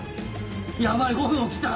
ヤバい５分を切った。